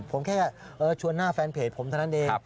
ผมแค่ชวนหน้าแฟนเพจผมเท่านั้นเอง